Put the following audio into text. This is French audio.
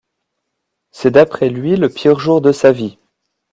C'est d'après lui le pire jour de sa vie.